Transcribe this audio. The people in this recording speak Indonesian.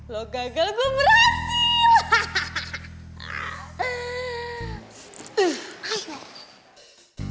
lo gagal gue berhasil